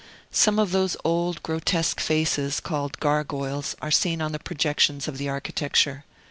Some of those old, grotesque faces, called gargoyles, are seen on the projections of the architecture.